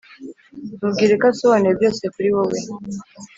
mubwire ko asobanuye byose kuri wowe